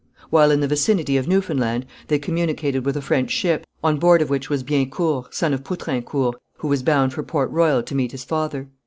While in the vicinity of Newfoundland, they communicated with a French ship, on board of which was Biencourt, son of Poutrincourt, who was bound for Port Royal to meet his father.